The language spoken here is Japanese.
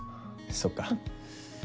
そっか。